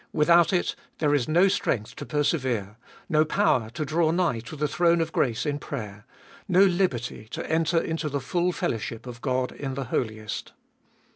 Without it there is no strength to persevere, no power to draw nigh to the throne of grace in prayer, no liberty to enter into the full fellowship of God in the Holiest.